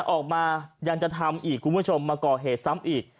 ออกมายังจะทำอีกคุณผู้ชมมาก่อเหตุซ้ำอีก